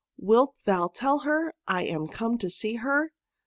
Wilt thou tell her I am eome to see her?'